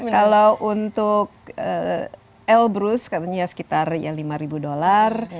kalau untuk elbrus katanya sekitar ya lima ribu dolar